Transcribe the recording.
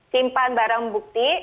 simpan barang bukti